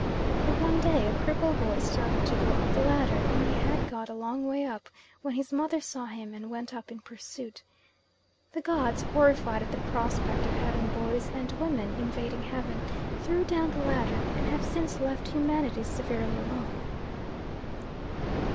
But one day a cripple boy started to go up the ladder, and he had got a long way up when his mother saw him, and went up in pursuit. The gods, horrified at the prospect of having boys and women invading heaven, threw down the ladder, and have since left humanity severely alone.